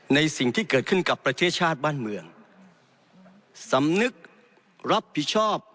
สิ่งที่เกิดขึ้นกับประเทศชาติบ้านเมืองสำนึกรับผิดชอบ